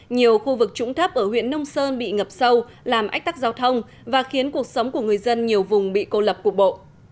nhiều khu vực trũng thấp ở huyện nông sơn bị ngập sâu làm ách tắc giao thông và khiến cuộc sống của người dân nhiều vùng bị cô lập cục bộ